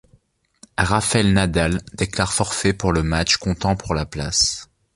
Rafael Nadal déclare forfait pour le match comptant pour la place.